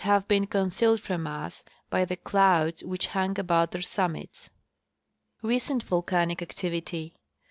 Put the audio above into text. have been concealed from us by the clouds which hung about their summits. Recent volcanic Activity.